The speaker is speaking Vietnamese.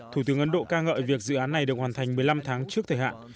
thủ tướng ấn độ ca ngợi việc dự án này được hoàn thành một mươi năm tháng trước thời hạn